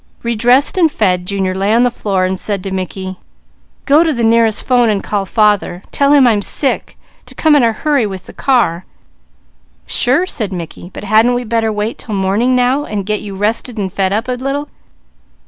Redressed and fed, Junior lay on the floor and said to Mickey: "Go to the nearest 'phone and call father. Tell him I'm sick, to come in a hurry with the car." "Sure!" said Mickey. "But hadn't we better wait 'til morning now, and get you rested and fed up a little?"